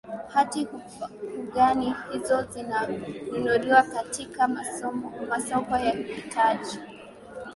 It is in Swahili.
hati fungani hizo zinanunuliwa katika masoko ya mitaji